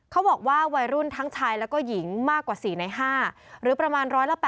เขาบอกว่าวัยรุ่นทั้งชายแล้วก็หญิงมากกว่า๔ใน๕หรือประมาณ๑๘๐